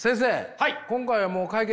はい。